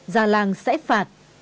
ra làng sẽ phạt